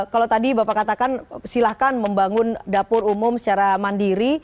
kalau tadi bapak katakan silahkan membangun dapur umum secara mandiri